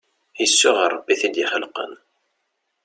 Isuɣ ɣer Rebbi i t-id-ixelqen.